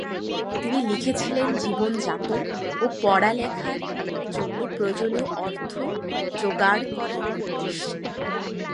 তিনি লিখেছিলেন জীবনযাপন ও পড়ালেখার জন্য প্রয়োজনীয় অর্থ যোগাড় করার উদ্দেশ্যে।